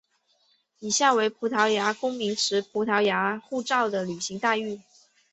以下为葡萄牙公民持葡萄牙护照的旅游待遇。